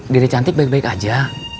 diri cantik baik baik aja